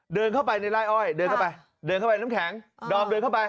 เดินเข้าไปในไล่อ้อยเดินเข้าไปเดินเข้าไปน้ำแข็งดอมเดินเข้าไป